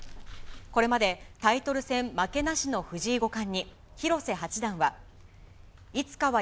これまで、タイトル戦負けなしの藤井五冠に、広瀬八段は。